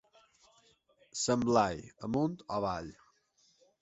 Sant Blai, amunt o avall.